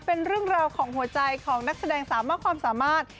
เป็นเรื่องราวของหัวใจของนักแสดงสาวมากความสามารถ